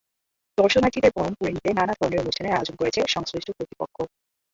দর্শনার্থীদের বরণ করে নিতে নানা ধরনের অনুষ্ঠানের আয়োজন করেছে সংশ্লিষ্ট কর্তৃপক্ষ।